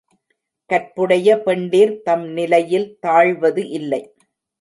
கற்புடைய பெண்டிர் தம் நிலையில் தாழ்வது இல்லை.